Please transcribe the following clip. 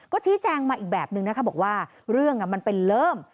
ก็ชี้แจงมาอีกแบบนึงนะคะบอกว่าเรื่องมันเป็นเริ่ม